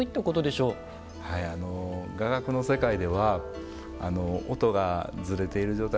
はいあの雅楽の世界では音がズレている状態。